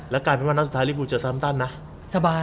แล้วการเป็นวันนั้นสุดท้ายรีบภูมิเจอซัลล่ำตันนะ